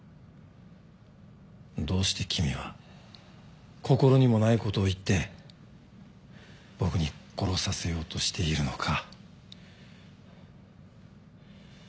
どうして君は心にもないことを言って僕に殺させようとしているのか。